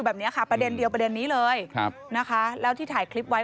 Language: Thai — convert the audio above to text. ไปโรงพักไงไปโรงพักบอกให้ไปโรงพัก